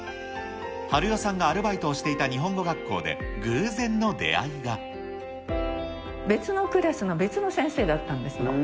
晴代さんがアルバイトしていた日本語学校で、別のクラスの別の先生だったんですの。